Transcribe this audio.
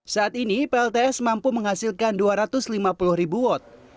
saat ini plts mampu menghasilkan dua ratus lima puluh ribu watt